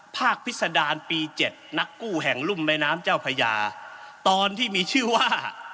พิษดารปี๗นักกู้แห่งรุ่มแม่น้ำเจ้าพญาตอนที่มีชื่อว่า